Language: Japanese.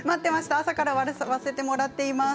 朝から笑わせてもらっています。